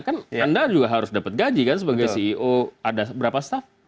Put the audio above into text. kan anda juga harus dapat gaji kan sebagai ceo ada berapa staff